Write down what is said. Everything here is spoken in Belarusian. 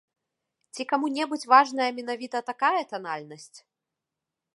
Ці каму-небудзь важная менавіта такая танальнасць?